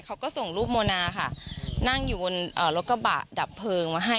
เขาก็ส่งรูปโมนาค่ะนั่งอยู่บนรถกระบะดับเพลิงมาให้